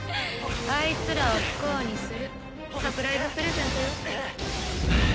あいつらを不幸にするサプライズプレゼントよ。